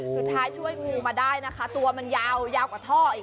ช่วยงูมาได้นะคะตัวมันยาวยาวกว่าท่ออีก